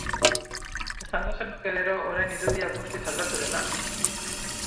Esango zenuke, gero, orain irudia guztiz aldatu dela!.